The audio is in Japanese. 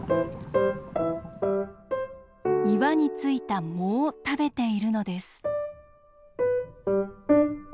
岩に付いた藻を食べているのです。